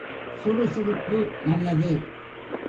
சுறு சுறுப்பு நல்லது.